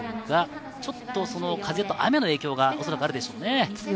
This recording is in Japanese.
ちょっと風と雨の影響がおそらくあるでしょうね。